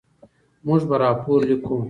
موږ به راپور لیکو.